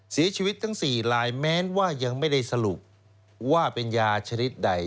เสียชีวิตทั้ง๔ลายแม้ว่ายังไม่ได้สรุปว่าเป็นยาชนิดใด